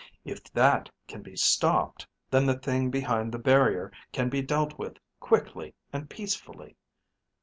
If that can be stopped, then the thing behind the barrier can be dealt with quickly and peacefully.